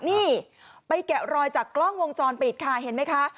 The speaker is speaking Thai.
นี่ไปแกะรอยจากกล้องวงจรปิดค่ะเห็นไหมคะ